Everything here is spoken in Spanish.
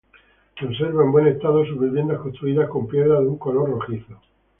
Conserva en buen estado sus viviendas construidas con piedra de un color rojizo.